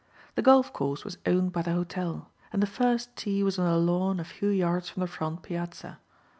The golf course was owned by the hotel and the first tee was on the lawn a few yards from the front piazza.